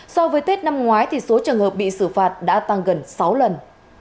so với tết năm ngoái thì số trường hợp bị xử phạt đã tăng gần sáu lần